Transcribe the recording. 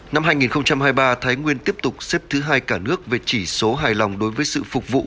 năm hai nghìn hai mươi ba thái nguyên tiếp tục xếp thứ hai cả nước về chỉ số hài lòng đối với sự phục vụ